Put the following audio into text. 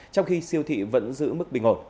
trong khi siêu thị vẫn giữ mức bình ổn